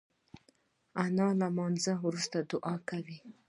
انا له لمونځ وروسته دعا کوي